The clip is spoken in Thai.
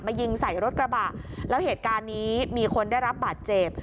ยิงใส่รถกระบะแล้วเหตุการณ์นี้มีคนได้รับบาดเจ็บ